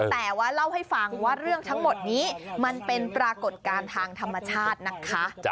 แต่ว่าเล่าให้ฟังว่าเรื่องทั้งหมดนี้มันเป็นปรากฏการณ์ทางธรรมชาตินะคะ